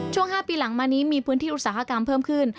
๕ปีหลังมานี้มีพื้นที่อุตสาหกรรมเพิ่มขึ้น